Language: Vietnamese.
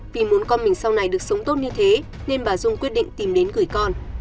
vì muốn con mình sau này được sống tốt như thế nên bà dung quyết định tìm đến gửi con